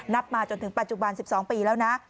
มาจนถึงปัจจุบัน๑๒ปีแล้วนะ